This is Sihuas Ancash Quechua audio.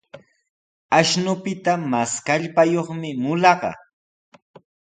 Ashnupita mas kallpayuqmi mulaqa.